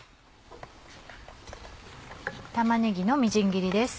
玉ねぎのみじん切りです。